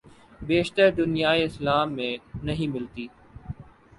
بیشتر دنیائے اسلام میں نہیں ملتی۔